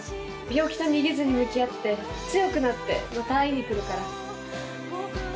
病気に逃げずに向き合って強くなってまた会いに来るから。